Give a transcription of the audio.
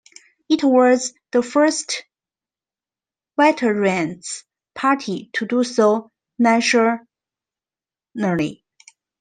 It was the first Veterans Party to do so nationally.